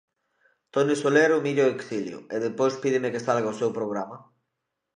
Toni Soler humilla o exilio, e despois pídeme que salga o seu programa?